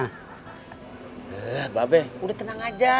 eh mbak be udah tenang aja